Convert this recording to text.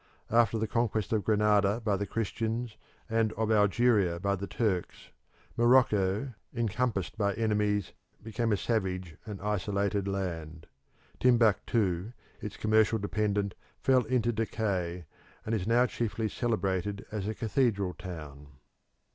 After the conquest of Granada by the Christians and of Algeria by the Turks, Morocco, encompassed by enemies, became a savage and isolated land; Timbuktu, its commercial dependent, fell into decay, and is now chiefly celebrated as a cathedral town.